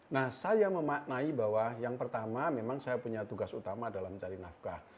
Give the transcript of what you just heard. nah saya memaknai bahwa yang pertama memang saya punya tugas utama dalam mencari nafkah